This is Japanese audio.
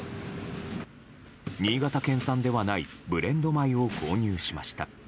新潟県産ではないブレンド米を購入しました。